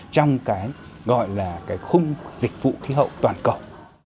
trong cái gọi là cái khung dịch vụ khí hậu toàn cầu